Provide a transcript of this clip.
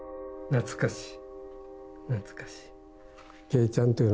懐かしい。